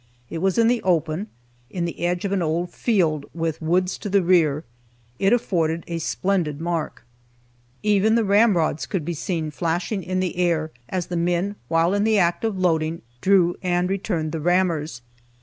It was in the open, in the edge of an old field, with woods to the rear. It afforded a splendid mark. Even the ramrods could be seen flashing in the air, as the men, while in the act of loading, drew and returned the rammers.